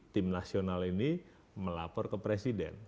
tim nasional ini melapor ke presiden